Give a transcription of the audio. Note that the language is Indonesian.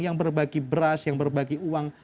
yang berbagi beras yang berbagi uang